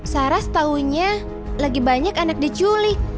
saras tahunya lagi banyak anak diculik